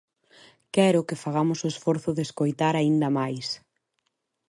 Quero que fagamos o esforzo de escoitar aínda máis.